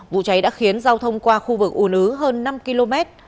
vụ cháy đã khiến giao thông qua khu vực ùn ứ hơn năm km